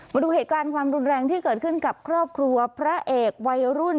มาดูเหตุการณ์ความรุนแรงที่เกิดขึ้นกับครอบครัวพระเอกวัยรุ่น